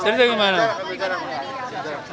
cerita gimana pak